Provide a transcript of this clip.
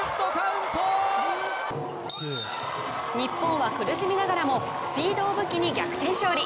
日本は苦しみながらもスピードを武器に逆転勝利。